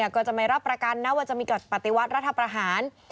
ก็จะไม่รับประกันนะว่าจะมีปฏิวัติรัฐประหาร